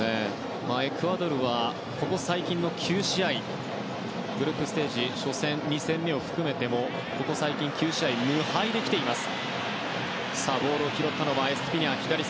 エクアドルはここ最近の９試合グループステージ初戦、２戦目を含めてもここ最近９試合無敗できています。